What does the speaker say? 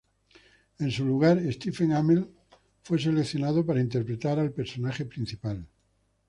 En su lugar, Stephen Amell fue seleccionado para interpretar al personaje principal.